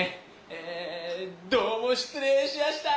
えどうも失礼しやした！